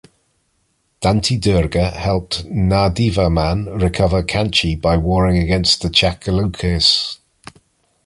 Dantidurga helped Nandivarman recover Kanchi by warring against the Chalukyas.